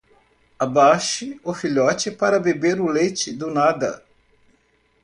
Abaixe o filhote para beber o leite do nada.